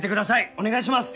お願いします！